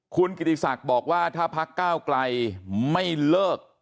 คุณกิติศักดิ์บอกว่าถ้าพักก้าวไกลไม่เลิก